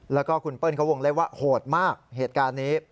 แล้วก็คุณเปิ้ลเขาวงเล็บว่าโหดมากเหตุการณ์นี้